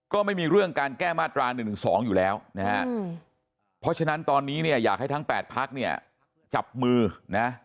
ก็ไม่มีเรื่องการแก้มาตรา๑๑๒อยู่แล้วนะฮะเพราะฉะนั้นตอนนี้เนี่ยอยากให้ทั้ง๘พักเนี่ยจับมือนะ